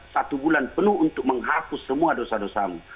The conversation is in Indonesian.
satu bulan penuh untuk menghapus semua dosa dosamu